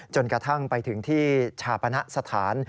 จนกระทั่งไปถึงที่ชาปณะสถาน